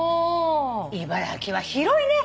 茨城は広いね。